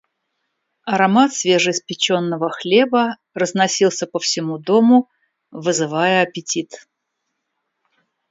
Аромат свежеиспеченного хлеба разносился по всему дому, вызывая аппетит.